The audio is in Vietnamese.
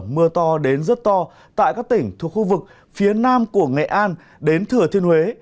mưa to đến rất to tại các tỉnh thuộc khu vực phía nam của nghệ an đến thừa thiên huế